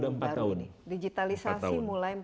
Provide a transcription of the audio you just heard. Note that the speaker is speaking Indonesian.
udah empat tahun digitalisasi mulai